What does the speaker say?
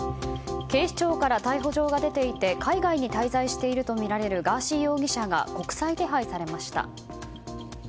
警視庁から逮捕状が出ていて海外に滞在しているとみられるガーシー容疑者が国際手配されました。